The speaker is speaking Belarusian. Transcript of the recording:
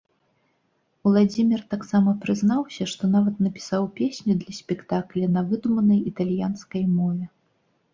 Уладзімір таксама прызнаўся, што нават напісаў песню для спектакля на выдуманай італьянскай мове.